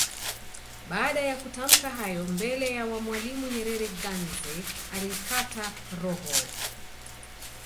Baada ya kutamka hayo mbele ya Mwalimu Nyerere Ganze alikata roho